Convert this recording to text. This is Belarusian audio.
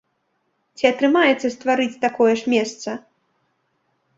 Ці атрымаецца стварыць такое ж месца?